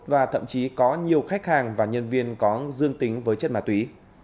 và thậm chí có nhiều khách hàng và nhân viên có dương tính với chất mà tùy